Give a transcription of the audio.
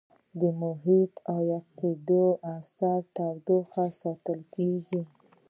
د محیط د عایق کېدو په اثر تودوخه ساتل کیږي.